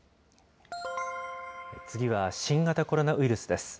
次は新型コロナウイルスです。